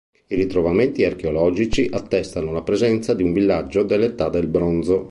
I ritrovamenti archeologici attestano la presenza di un villaggio dell'età del bronzo.